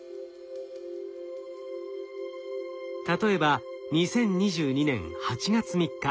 例えば２０２２年８月３日。